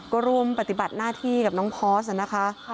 ก็ร่วมปฏิบัติหน้าที่กับน้องพอร์สนะคะ